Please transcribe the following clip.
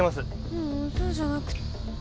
ううんそうじゃなくて。